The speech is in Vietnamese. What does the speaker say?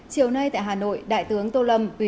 chiều nay tại hà nội đại tướng tô lâm